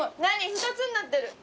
２つになってる。